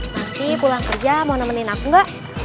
nanti pulang kerja mau nemenin aku mbak